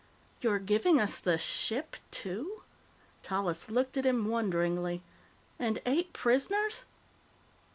"You're giving us the ship, too?" Tallis looked at him wonderingly. "And eight prisoners?"